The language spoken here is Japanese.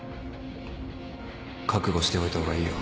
覚悟しておいた方がいいよ